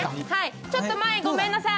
ちょっと前ごめんなさい。